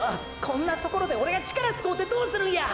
こんなところでオレが力使うてどうするんや！